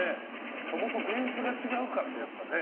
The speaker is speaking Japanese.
そもそもベースが違うからね。